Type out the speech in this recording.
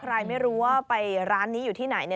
ใครไม่รู้ว่าไปร้านนี้อยู่ที่ไหน